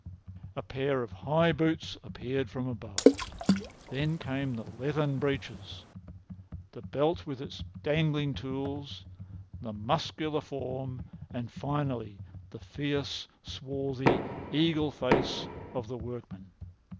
A pair of high boots appeared from above. Then came the leathern breeches, the belt with its dangling tools, the muscular form, and, finally, the fierce, swarthy, eagle face of the workman.